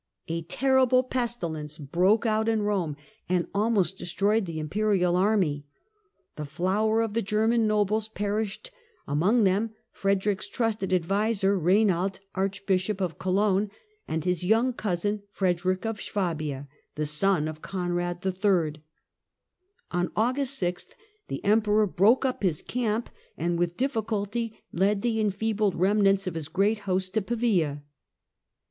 A terrible pestilence broke out in Eome, and almost destroyed the imperial army. The flower of the German nobles perished, among them Frederick's trusted adviser Eainald Archbishop of Cologne, and his young cousin Frederick of Swabia, the son of Conrad III. On August 6th the Emperor broke up his camp, and with difficulty led the enfeebled remnants of his great host to Pavia.